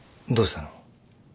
どうしたの？